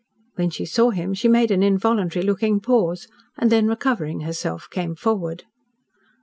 When she saw him she made an involuntary looking pause, and then recovering herself, came forward.